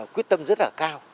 quyết tâm rất là cao